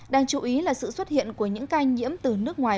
đáng chú ý là sự xuất hiện của những ca nhiễm từ nước ngoài